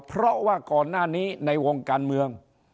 เพราะว่าก่อนหน้านี้ในวงการเมือง